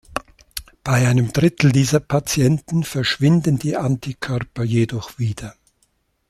Bei einem Drittel dieser Patienten verschwinden die Antikörper jedoch wieder.